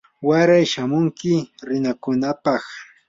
waray shamunki rimakunapaq.